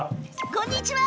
こんにちは！